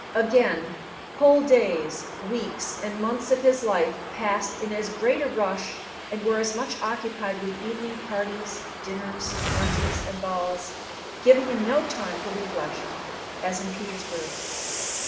Again whole days, weeks, and months of his life passed in as great a rush and were as much occupied with evening parties, dinners, lunches, and balls, giving him no time for reflection, as in Petersburg.